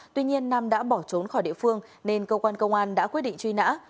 tuy nhiên nam đã bỏ trốn khỏi địa phương nên công an công an đã quyết định truy nã